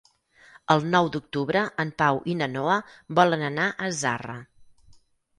El nou d'octubre en Pau i na Noa volen anar a Zarra.